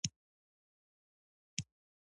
خپله یې هم په شعرونو کې یادوې.